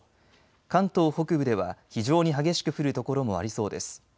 関東北部では非常に激しく降る所もありそうです。